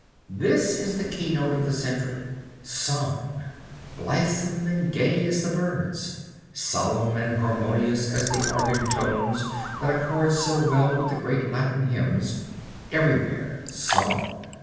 This is the keynote of the Century song, blithesome and gay as the birds, solemn and harmonious as the organ tones that accord so well with the great Latin hymns everywhere song.